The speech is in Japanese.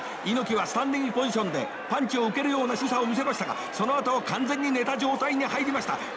猪木はスタンディングポジションでパンチを受けるようなしぐさを見せましたがそのあとは完全に寝た状態に入りました。